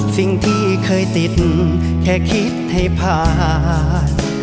สิ่งที่เคยติดแค่คิดให้ผ่าน